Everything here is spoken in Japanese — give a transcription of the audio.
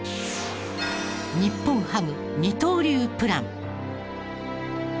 「日本ハム二刀流プラン」。